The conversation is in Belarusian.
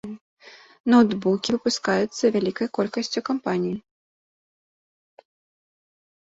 Ноўтбукі выпускаюцца вялікай колькасцю кампаній.